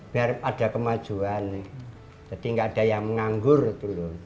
biar ada kemajuan jadi nggak ada yang menganggur dulu